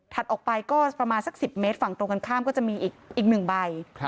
ถัดออกไปก็ประมาณสักสิบเมตรฝั่งตรงกันข้ามก็จะมีอีกอีกหนึ่งใบครับ